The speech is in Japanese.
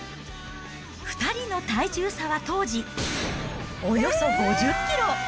２人の体重差は当時、およそ５０キロ。